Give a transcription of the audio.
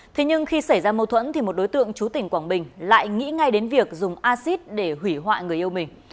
thế nhưng khi xảy ra mâu thuẫn thì một đối tượng chú tỉnh quảng bình lại nghĩ ngay đến việc dùng acid để hủy hoại người yêu mình